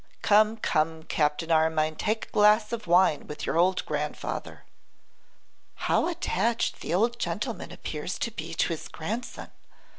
Come, come, Captain Armine, take a glass of wine with your old grandfather.' 'How attached the old gentleman appears to be to his grandson!